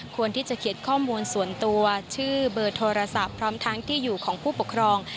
ควรที่จะเขียนข้อมูลส่วนตัวชื่อเบอร์โทรศัพท์พร้อมทั้งที่อยู่ของผู้ปกครอง